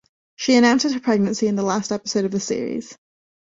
She announces her pregnancy in the last episode of the series.